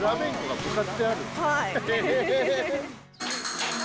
はい。